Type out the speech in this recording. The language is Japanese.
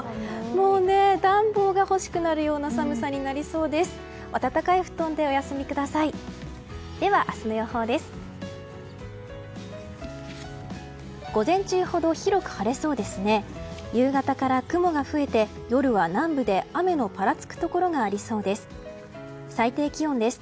もう暖房が欲しくなるような寒さになりそうです。